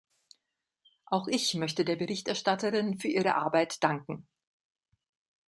Auch ich möchte der Berichterstatterin für ihre Arbeit danken.